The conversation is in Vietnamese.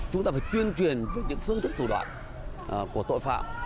chúng ta phải tuyên truyền những phương thức thủ đoạn của tội phạm